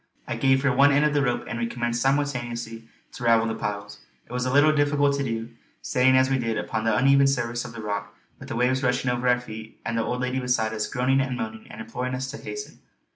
I gave her one end of the rope and we commenced simultaneously to ravel the piles. It was a little difficult to do, standing as we did upon the uneven surface of the rock with the waves rushing over our feet and the old lady beside us groaning and moaning and imploring us to hasten.